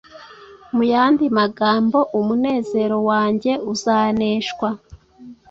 Mu yandi magambo, umunezero wanjye uzaneshwa